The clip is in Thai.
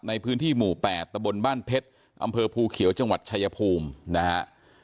ในพื้นที่หมู่๘ตะบนบ้านเพชรอำเภอภูเขียวจังหวัดชายภูมินะฮะ